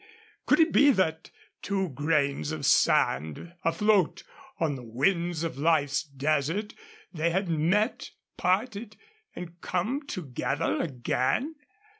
Could it be that, two grains of sand afloat on the winds of life's desert, they had met, parted, and come together again?